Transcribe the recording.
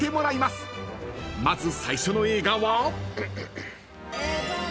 ［まず最初の映画は？］